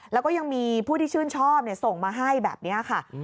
แล้วก็ยังมีผู้ที่ชื่นชอบส่งมาให้แบบนี้ค่ะ